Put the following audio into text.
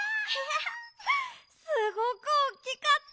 すごくおっきかった！